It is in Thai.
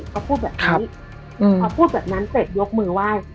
เขาพูดแบบนี้พอพูดแบบนั้นเสร็จยกมือไหว้